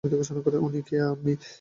উনি কে, আম্মি?